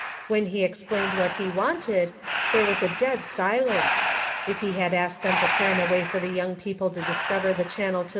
When he explained what he wanted, there was a dead silence ; if he had asked them to plan a way for the young people to discover the channel to CIRCLES.